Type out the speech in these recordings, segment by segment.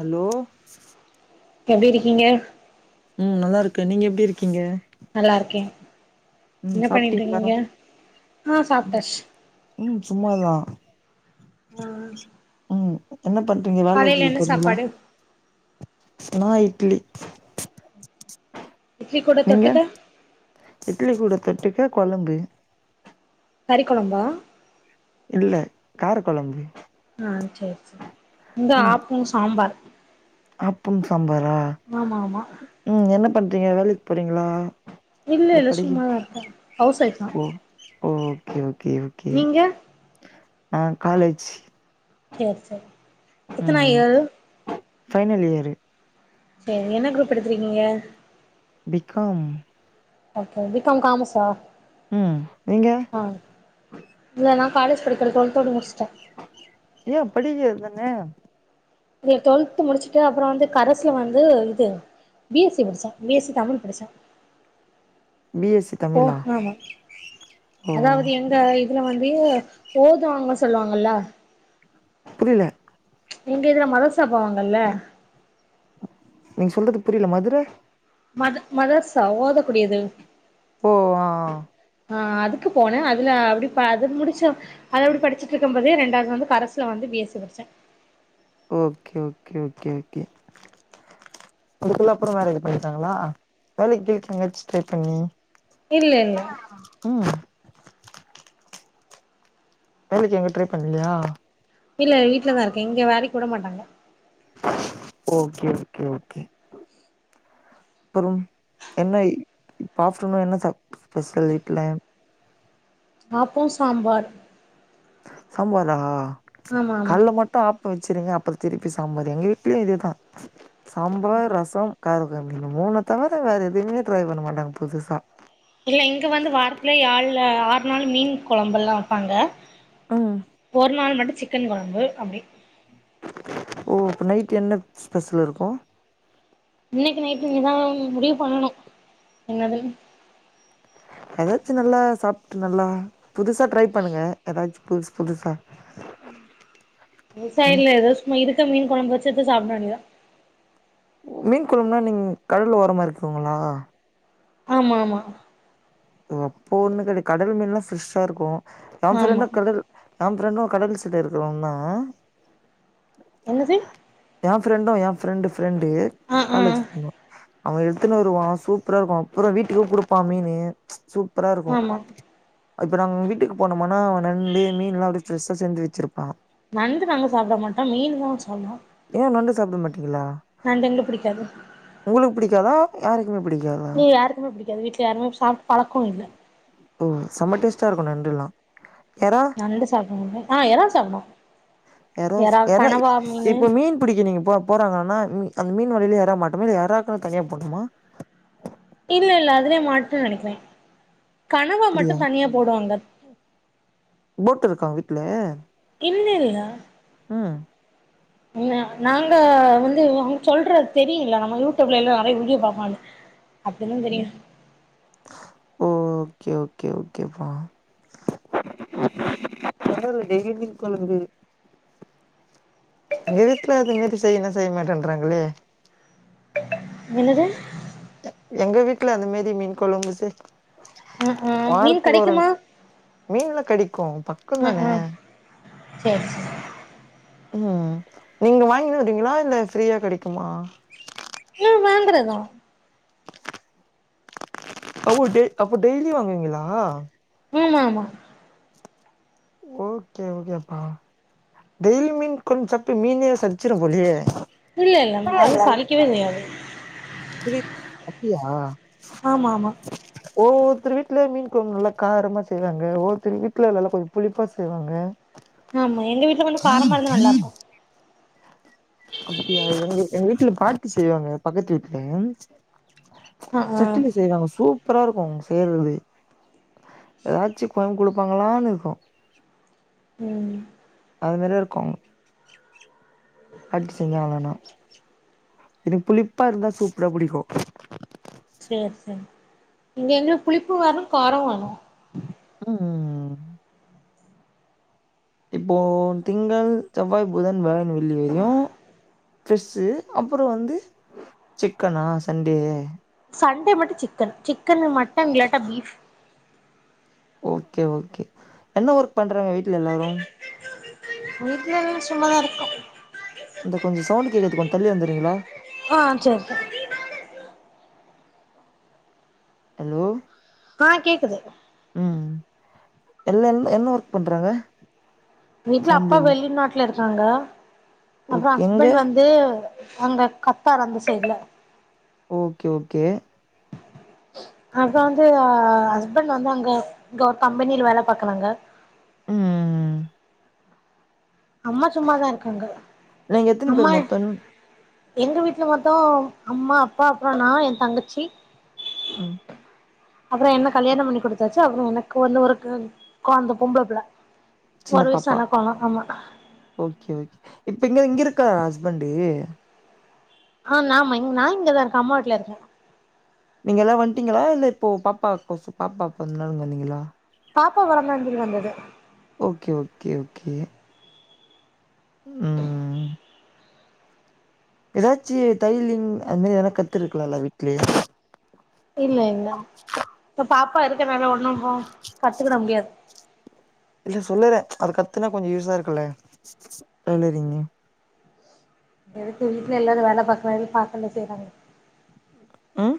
Hello எப்டி இருக்கீங்க ம் நல்லா இருக்கே நீங்க எப்டி இருக்கீங்க நல்லா இருக்கே ம் என்ன பண்ணிட்டு சாப்ட்டீங்களா இருக்கீங்க ஆ ம் சாப்டாச்சு ம் சும்மாதா ஆ ம் என்ன பண்றீங்க வேலைக்கி காலைல என்ன போறீங்களா சாப்பாடு நா இட்லி இட்லி கூட நீங்க தொட்டுக்க இட்லி கூட தொட்டுக்க கொழம்பு கறி கொழம்பா இல்ல கார கொழம்பு ஆ சேரி சேரி இங்க ஆப்பம் சாம்பார் ஆப்பம் சாம்பாரா ஆமா ஆமா ம் என்ன பண்றீங்க வேலைக்கி போறீங்களா இல்ல இல்ல சும்மாதா இருக்கே ஹவுஸ் ஒய்ஃப்தா ஓ ஓகே ஓகே ஓகே நீங்க நா காலேஜ் சேரி சேரி ம் எத்தன ம் இயர் ஃபைனல் இயர் சேரி என்ன குரூப் எடுத்திருக்கீங்க B com okay B com காமஸ்ஸா ம் நீங்க ஆ இல்ல நா காலேஜ் படிக்கல டுவல்த்தோட முடிச்சுட்டே ஏ படிக்கிறது தானே இது டுவெல்த் முடிச்சுட்டு அப்பறோ வந்து கரசுல வந்து இது பி எஸ் சி படிச்சே பி எஸ் சி தமிழ் படிச்சே பி எஸ் சி ஓ தமிழா ஆமா ஓ அதாவது எங்க இப் இங்க வந்து ஓதுவாங்க சொல்லுவாங்கல்ல புரியல எங்க இதுல மதர்ஸா போவாங்கல்ல நீங்க சொல்றது புரியல மதுர மத மதர்சா ஓதக்கூடியது ஓ ஆ ஆ ஆ அதுக்கு போனே அதுல அப்டி படிப் அது முடிச்ச அது அப்டி படிச்சிட்டு இருக்கும் போதே ரெண்டாவது வந்து கரஸ்சுல வந்து பி எஸ் ஸி படிச்சே ஓகே ஓகே ஓகே ஓகே அதுக்குள்ள அப்பறோ வேலைக்கி போய்ட்டாங்களா வேலைக்கு கேக்கலா எங்கயாச்சி ட்ரை பண்ணி இல்ல இல்ல ம் வேலைக்கி எங்கயு ட்ரை பண்ணலையா இல்ல வீட்லதா இருக்கே இங்க வேலைக்கி விட மாட்டாங்க ஓகே ஓகே ஓகே அப்புறம் என்ன இப்ப ஆப்டர்நூன் என்ன சாப் ஸ்பெஷல் வீட்ல ஆப்போ சாம்பார் சம்பாரா ஆமா ஆமா காலேல மட் இப்ப ஆப்போ வெச்சிர்றீங்க அப்பறோ திருப்பி சாம்பார் எங்க வீட்லயு இதேதா சாம்பார் ம். ரசம் [inaudible] இந்த மூணு தவிர வேற எதுவுமே ட்ரை பண்ண மாட்டாங்க புதுசா இல்ல இங்க வந்து வாரத்துல யாழ்ல ஆறு நாள் மீன் கொழம்பெல்லா வப்பாங்க ம் ஒரு நாள் மட்டு சிக்கன் கொழம்பு அப்டி ஓ அப்ப நைட் என்ன ஸ்பெஷல் இருக்கு இன்னைக்கு நைட்டு இனிதா முடிவு பண்ணணு என்னதுன் எதாச்சு நல்லா சாப்ட்டு நல்லா புதுசா ட்ரை பண்ணுங்க எதாச்சு புதுசு புதுசா புதுசா ம் இல்ல எதாவது சும்ம இருக்க மீன் கொழம்ப வச்சுட்டு சாப்ட வேண்டியதா மீன் கொழம்புனா நீங்க கடல் ஓரமா இருக்கிங்களா ஆமா மா ஓ அப்போ ஒன்னு கெடைக்காது கடல்மீன்ல்லா பிரெஷ்ஷாருக்கு என் ஆமா ஃப்ரெண்டு கடல் என் ஃப்ரண்டு கடல் சிட்ட இருக்குறவன்தா என்னது என் ஃபிரண்டு என் ஃபிரண்டு ஃபிரண்டு ஆ ஆ காலேஜ் போனோ அவன் எடுத்துன்னு வருவா சூப்பரா இருக்கு அப்பற வீட்டுக்கு குடுப்பா மீனு சூப்பரா இருக்கு ஆமா இப்ப நாங்க வீட்டுக்கு போனமானா நண்டு மீன் எல்லா பிரஷ்ஷா செஞ்சு வச்சிருப்பா நண்டு நாங்க சாப்ட மாட்டோ மீன் தா சாப்டுவோ ஏன் நண்டு சாப்ட மாட்டீங்களா நண்டு எங்களுக்கு புடிக்காது உங்களுக்கு பிடிக்காதா யாருக்குமே புடிக்காதா இங்க யாருக்குமே புடிக்காது வீட்ல யாருமே சாப்ட்டு பழக்க இல்ல ம் செம டேஸ்ட்டா இருக்கு நண்டுல்லா எறா நண்டு சாப்ட மாட்ட ஆ எறா சாப்டுவோ எறாஸ் எறா கனவா மீனு இப்ப மீன் பிடிக்க நீங்கப் போ போறாங்கன்னா மீ அந்த மீன் வலையில எறா மாட்டுமா இல்ல எறாக்குன்னு தனியா போட்ணுமா இல்ல இல்ல அதுலயே மாட்டு நெனைக்கிறே கனவா மட்டு அப்டியா தனியா போடுவாங்க போட் இருக்கா உங்க வீட்ல இல்லல்ல ம் உண்மையா நாங்க வந்து அவங்க சொல்றது தெரியுல நம்ம யூடியூப்ல எல்லா நெறைய வீடியோ பாப்போல அப்டினு தெரியனு ஓ ஓகே ஓகே ஓகே பா அதுனால டெய்லியு மீன் கொ ழம்பு என் வீட்ல அது மாரி செய்யுனா செய்ய மாட்டேன்றாங்களே என்னது எங்க வீட்ல அந்த மாரி மீன் கொழம்பு செய் ஆ ஆ மீன் வாரத்துக்கு ஒரு கெடைக்குமா மீன்லா கெடைக்கு பா ம் இருக்குதான ம் சேரி சேரி ம் நீங்க வாங்கினு வர்றீங்களா இல்ல ஃப்ரீயா கெடைக்குமா ம் வாங்குறதா அ அப்போ டெய்லி வாங்குவீங்களா ம் ஆமா ஓகே ஓகேப்பா டெய்லியு மீன் கொழம்பு சாப்ட்டு மீனே சலிச்சிரும் போலையே இல்ல இல்லங்க அது சலிக்கவே செய்யாது புரிய்து அப்டியா ஆமாம்மா [unintelligible] ஒவ்வொருத்தரு வீட்லே மீன் கொழம்பு நல்லா காரமா செய்வாங்க ஒவ்வொருத்தரு வீட்ல நல்லா கொஞ்ச புளிப்பா செய்வாங்க ஆமா எங்க வீட்ல கொஞ்ச காரமா இருந்தா நல்லா இருக்கு [inaudible] அப்டியா எங்க எங்க வீட்ல பாத்து செய்வாங்க பக்கத்து வீட்ல ஆ ஆ சட்டில செய்வாங்க சூப் ப்பரா இருக்கு அவ்ங்க செய்றது எதாச்சு கொழம்பு குடுப்பாங்களான் இருக்கு ம் அது மாரிதா இருக்கு அப்டி செஞ்சாங்கனா எனக்கு புளிப்பா இருந்தா சூப்பரா புடிக்கு சேரி சேரி இங்க எங்களுக்கு புளிப்பு வர்ணும் காரமு வேணு ம் இப்போ திங்கள் செவ்வாய் புதன் வியாழன் வெள்ளி வரைலு பிஷ்ஷு அப்பற வந்து சிக்கனா சண்டே சண்டே மட்டு சிக்கன் சிக்கனு மட்டன் இல்லாட்டா பீஃப் ஓகே ஓகே என்ன ஒர்க் பண்றாங்க வீட்ல எல்லாரு வீட்ல எல்லாரு சும்மா தா இருக்கோ இந்த கொஞ்ச சவுண்டு கேக்குது கொஞ்ச தள்ளி வந்துட்றீங்களா ஆ சேரிப்பா ஹலோ ஆ‌ கேக்குது ம் எல்லாரு என்ன ஒர்க் பண்றாங்க வீட்ல அப்பா ஃபேமிலில வெளி நாட்டுல இருக்காங்க அப்றோ ஓகே எங்க ஹஸ்பண்ட் வந்து து அங்க கத்தார் அந்த சைட்ல ஓகே ஓகே அதாவ்து ஆ ஹஸ்பண்ட் வந்து அங்க க கம்பெனில வேல பாக்குறாங்க ம் அம்மா சும்மாதா இருக்காங்க நீங்க எத்தன அம்மா பேர் மொத்தம் எங்க வீட்ல மொத்த அம்மா அப்பா அப்றோ நா எ தங்கச்சி ம் அப்றோ என்ன கல்யாணம் பண்ணி குடுத்தாச்சு அப்றோ எனக்கு வந்து ஒரு கொ கொழந்த பொம்பளப்புள்ள சின்ன ஒரு பாப்பா வயசான கொழந்த ஆமா ஓகே ஓகே இப்ப இங்க இங்க இருக்கா ஹஸ்பண்டு ஆ நாமா இங் நானு இங்கத இருக்கே அம்மா வீட்ல இருக்கே நீங்களா வந்ட்டீங்களா இல்ல இப்போ பாப்பாக் கொசு பாப்பாக்கான்டிதா இங்க வந்தீங்களா பாப்பா பொறந்து வந்துட்டு வந்தது ஓகே ஓகே ஓகே ம் எதாச்சு தைலிங் அது மாரி எதனா கத்துருக்கலால்ல வீட்லே இல்ல இல்ல இப்ப பாப்பா இருக்கனால ஒன்னும் இப்போ கத்துக்கிட முடியாது இல்ல சொல்லுறே அது கத்துனா கொஞ்ச யூஸா இருக்குல்ல டெய்லரிங்கு எதுக்கு வீட்ல எல்லாரு வேல பாக்கறதே பாக்கல்ல செய்றாங்க ம்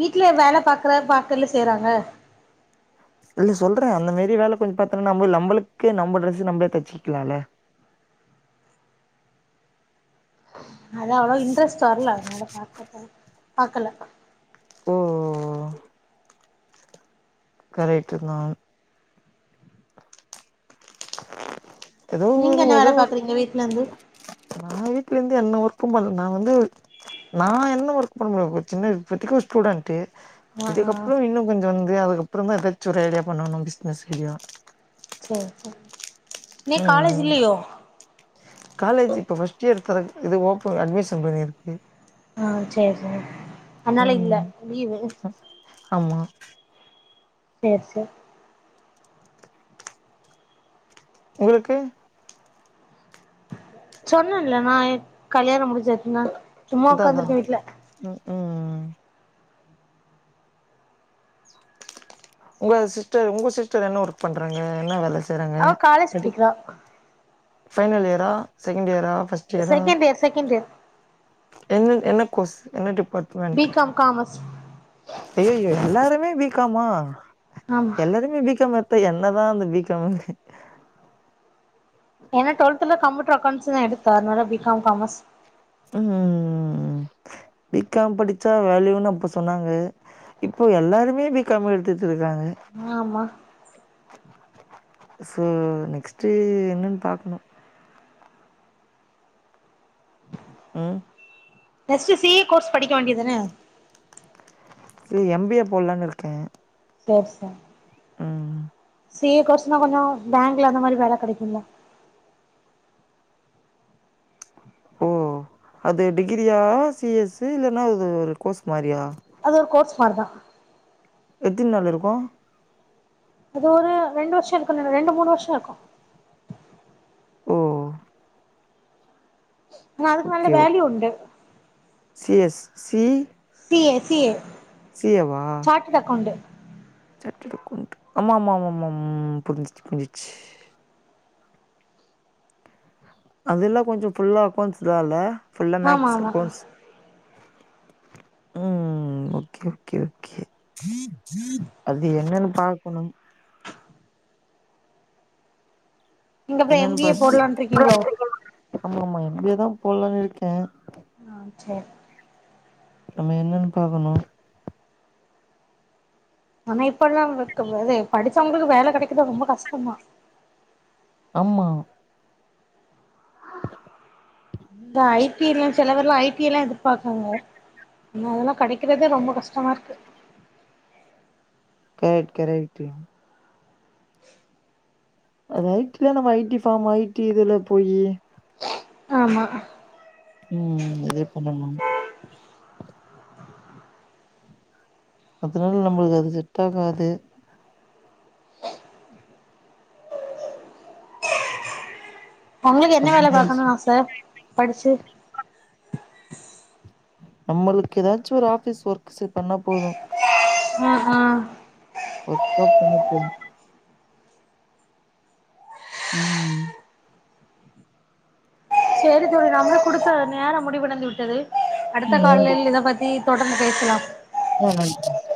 வீட்ல வேல பாக்குறத பாக்கல்ல செய்றாங்க இல்ல சொல்ற அந்த மாரி வேல கொஞ்சோ பாத்தம்னா நம்ம நம்மளுக்கே நம்ம ட்ரெஸ் நம்ம தெச்சிக்கலால்ல அது அவ்ளோ இன்ட்ரெஸ்ட் வர்ல அதனால பாக்கல ஓ கரெக்ட்டுதா ஏதோ நீங்க ஒரு என்ன வேல ஏதோ ஒரு பாக்கறீங்க வீட்லந்து நா வீட்லந்து என்ன ஒர்க்கும் பண்ல நா வந்து நா என்ன ஒர்க் பண்ணுவ சின்ன இப்பத்தைக்கு ஒரு ஸ்டூடெண்ட்டு ஆ ஆ இதுக்கப்றோ இன்னு கொஞ்சோ வந்து அதுக்கப்றந்தா எதாச்சு ஒரு ஐடியா பண்ணணு பிசினஸ் ஐடியா சேரி சேரி இன்னைக்கு காலேஜ் ம் இல்லையோ காலேஜ் இப்போ ஃபஸ்ட் இயர் தர இது ஓப்பன் அட்மிஷன் போய்னுயிருக்கு ஆ சேரி சேரி அதனால இல்ல ம் லீவு ஆமா சேரி சேரி உங்களுக்கு சொன்னன்ல்ல நா கல்யாணோ முடிஞ்சாச்சுனு அதா அதா ம் ம் உங்க சிஸர் உங்க சிஸ்டர் என்ன ஒர்க் பண்றாங்க என்ன வேல செய்றாங்க அவ காலேஜ் டி படிக்கிறா ஃபைனல் இயரா செகண்ட்டு இயரா ஃபர்ஸ்ட் இயரா செகண்ட் இயர் செகண்ட் இயர் என் என்ன கோர்ஸ் என்ன பி டிபார்ட்மென்ட் காம் காமர்ஸ் அய்யய்யோ எல்லாருமே பீக்காமா ஆமா எல்லாருமே பீக்காம் எடுத்தா என்னதா அந்த பீக்காம் ஏனா டுவெல்த்ல கம்ப்யூட்டர் அக்கௌன்ட்ஸ் நா எடுத்த அதனால பீக்காம் காமர்ஸ் ம் பீக்காம் படிச்சா வேல்யூன்னு அப்ப சொன்னாங்க இப்ப எல்லோருமே பீக்காம் எடுத்துட்டுருக்காங்க ஆமா சோ நெக்ஸ்ட்டு என்னுனு பாக்கணு ம் நெக்ஸ்ட்டு சி ஏ கோர்ஸ் படிக்க வேண்டிதான சே எம் பி ஏ போடுலான்னு இருக்கேன் சேர் சேரி ம் சி ஏ கோர்ஸ்னா கொஞ்சோ பேங்க்ல அந்த மாரி வேல கெடைக்குமல்ல ஓ அது டிகிரியா சி எஸ் இல்லனா அது ஒரு கோர்ஸ் மாரியா அது ஒரு கோர்ஸ் மார்தா எத்தினி நாள் இருக்கு அது ஒரு ரெண்டு வருஷோ இருக்கு ரெண்டு மூணு வருஷோ இருக்கு ஓ ஆனா அதுக்கு நல்ல ஓகே வேல்யூ உண்டு C S C C A C A C A வா சார்டெட்டு அக்கவுன்ட் சார்டெட்டு அக்கவுன்ட் ஆமா ஆமா ஆமா ம் ம் புரிஞ்சிச்சு புரிஞ்சிச்சு அதெல்லா கொஞ்சோ ஃபுல்லா அக்கௌண்ட்ஸ்தால்ல ஃபுல்லா ஆமா மேக்ஸ் ஆமா அக்கௌண்ட்ஸ் ம் ஓகே ஓகே ஓகே அது என்னன்னு பாக்கணும் நீங்க அப்புறம் என்னன்னு எம் பி ஏ பாத்து போடலான்ட்டு இருக்கீங்களோ ஆமா ஆமா எம் பி ஏ தா போலானு இருக்கே ஆ செரி நம்ம என்னன்னு பாக்கணு ஆனா இப்ப எல்லா பாக்கு போது படிச்சவங்களுக்கு வேல கெடைக்கறது ரொம்ப கஷ்டதா ஆமா அந்த ஐடி எல்லா சில பேர்லா ஐடி எல்லா எதிர்பாக்கறாங்க பின்ன அதெல்லா கெடைக்கிறதே ரொம்ப கஷ்டமா இருக்கு கரெக்ட் கரெக்ட்டு அது ஐ டி தா நம்ம ஐ டி ஃபாம் ஐடி இதுல போயி ஆமா ம் இதே பண்ணம்னா அதனால நம்முளுக்கு அது செட் ஆகாது ஒங்களுக்கு என்ன வேல அதனால பாக்கனு ஆச படிச்சி நம்மளுக்கு எதாச்சி ஒரு ஆஃபிஸ் ஒர்க் சே பண்ணா போது ஆஹா ஒர்கா பண்ணிப்பே ம் சேரி தோழி நம்ம குடு சிஸ்டர் நேரம் முடிவடைந்து விட்டது அடுத்த ம் கால்ல நன்றி இத பத்தி தொடர்ந்து பேசலா [unintelligible]